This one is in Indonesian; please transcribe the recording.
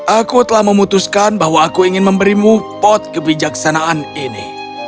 aku telah memutuskan bahwa aku ingin memberimu pot kebijaksanaan ini